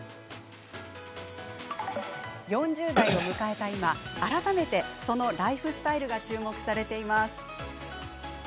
４０代を迎えた今、改めてそのライフスタイルが注目されています。